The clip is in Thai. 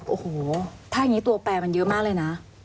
โอ้โหถ้าอย่างนี้ตัวแปลมันเยอะมากเลยนะ